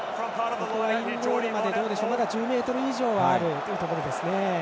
ここはインゴールまでまだ１０ｍ以上あるところ。